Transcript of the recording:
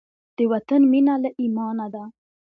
د وطن مینه له ایمانه ده.